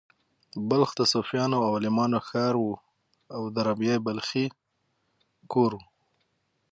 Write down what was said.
بلخ د صوفیانو او عالمانو ښار و او د رابعې بلخۍ کور و